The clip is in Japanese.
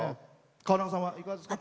川中さんはいかがですか？